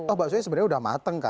oh bakso nya sebenarnya udah mateng kan